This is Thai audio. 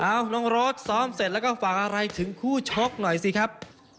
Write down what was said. น้องโรดซ้อมเสร็จแล้วก็ฝากอะไรถึงคู่ชกหน่อยสิครับ